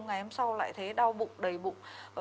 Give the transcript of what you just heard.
ngày hôm sau lại thấy đau bụng đầy bụng